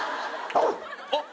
あっ。